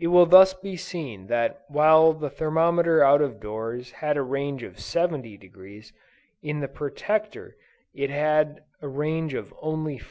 It will thus be seen that while the thermometer out of doors had a range of 70°, in the Protector it had a range of only 4°.